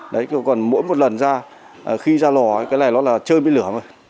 đấy còn mỗi một lần ra khi ra lò cái này nó là chơi với lửa mà